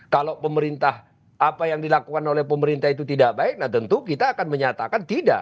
kalau pemerintah apa yang dilakukan oleh pemerintah itu tidak baik nah tentu kita akan menyatakan tidak